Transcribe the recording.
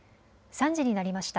３時になりました。